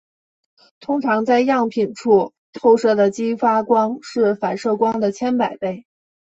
通常在样品处透射的激发光是反射光的千百倍。